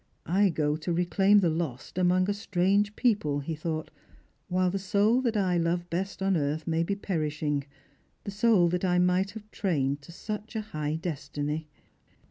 " I go to reclaim the lost among a strange people," he thought, " while the soul that I love best on earth may be perishing ; the soul that I might have trained to such a high destiny."